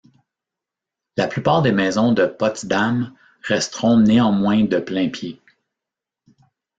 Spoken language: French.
La plupart des maisons de Potsdam resteront néanmoins de plain-pied.